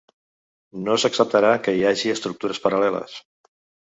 No s’acceptarà que hi hagi estructures paral·leles.